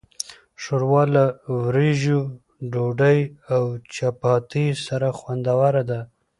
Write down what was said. ښوروا له وریژو، ډوډۍ، او چپاتي سره خوندوره ده.